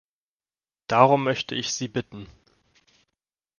Darum möchte ich Sie bitten.